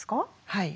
はい。